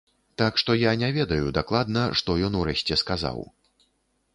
Так што я не ведаю дакладна, што ён у рэшце сказаў.